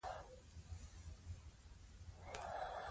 هغه د اصفهان فتح کولو پلان نه درلود.